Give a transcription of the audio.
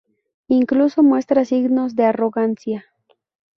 Incluso muestra signos de arrogancia.